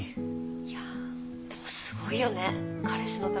いやでもすごいよね彼氏のためにそこまで。